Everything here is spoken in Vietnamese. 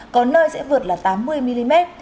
có nơi sẽ vượt là tám mươi mm